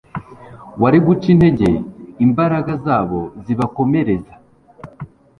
wari guca intege imbaraga zabo zibakomereza